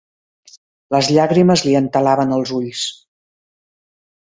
Les llàgrimes li entelaven els ulls.